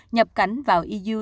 nhập cảnh vào eu